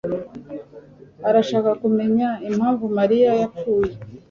arashaka kumenya impamvu Mariya yapfuye.